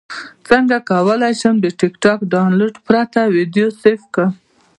څنګه کولی شم د ټکټاک ډاونلوډ پرته ویډیو سیف کړم